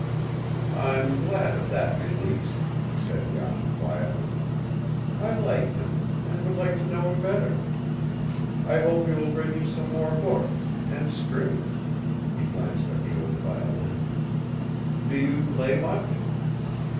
"I'm glad of that, Mélisse," said Jan quietly. "I like him, and would like to know him better. I hope he will bring you some more books and strings." He glanced at the old violin. "Do you play much?"